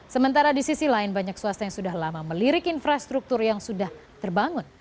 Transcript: sementara di sisi lain banyak swasta yang sudah lama melirik infrastruktur yang sudah terbangun